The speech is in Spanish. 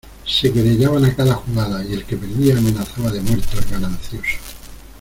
se querellaban a cada jugada, y el que perdía amenazaba de muerte al ganancioso.